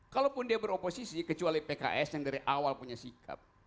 kalaupun dia beroposisi kecuali pks yang dari awal punya sikap